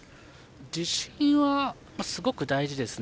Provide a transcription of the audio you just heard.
自信はすごく大事ですね。